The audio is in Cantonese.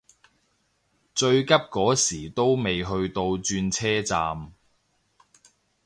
最急嗰時都未去到轉車站